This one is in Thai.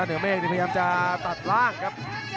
โนเมกที่พยายามจะตัดล่างครับ